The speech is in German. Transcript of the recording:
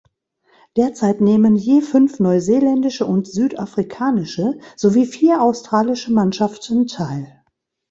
Derzeit nehmen je fünf neuseeländische und südafrikanische sowie vier australische Mannschaften teil.